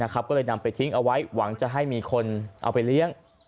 ก็เลยนำไปทิ้งเอาไว้หวังจะให้มีคนเอาไปเลี้ยง